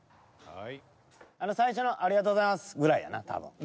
最初の「ありがとうございます」ぐらいやな多分。